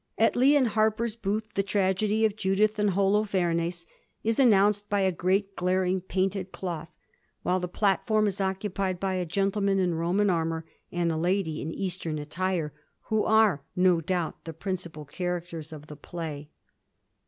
At Lee and Harper's booth the tragedy of * Judith and Holofemes ' is announced by a great glaring painted cloth, while the platform is occupied by a gentleman in Roman armour and a lady in Eastern attire, who are no doubt the principal characters of the play.